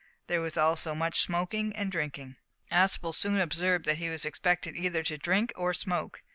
There was also much smoking and drinking. Aspel soon observed that he was expected either to drink or smoke.